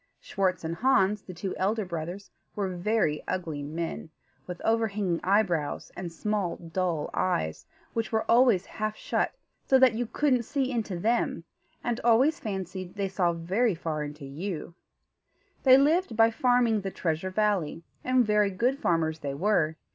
Schwartz and Hans, the two elder brothers, were very ugly men, with overhanging eyebrows and small, dull eyes, which were always half shut, so that you couldn't see into them, and always fancied they saw very far into you. They lived by farming the Treasure Valley, and very good farmers they were.